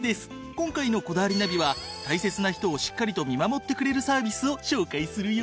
今回の『こだわりナビ』は大切な人をしっかりと見守ってくれるサービスを紹介するよ。